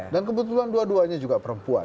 dan kebetulan dua duanya juga perempuan